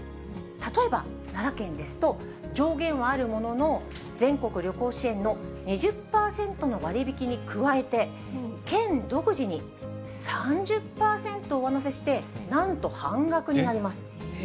例えば奈良県ですと、上限はあるものの、全国旅行支援の２０％の割引に加えて、県独自に３０％を上乗せして、なんと半額になります。